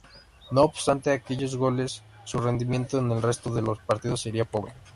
No obstante aquellos goles, su rendimiento en el resto de los partidos sería pobre.